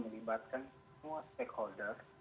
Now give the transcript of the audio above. melibatkan semua stakeholder